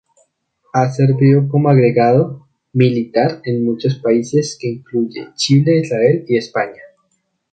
Ha servido como agregado militar en muchos países, que incluyen Chile, Israel y España.